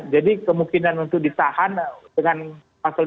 jadi kemungkinan untuk ditahan dengan mengatakan